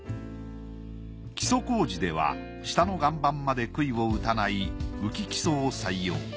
基礎工事では下の岩盤まで杭を打たない浮き基礎を採用。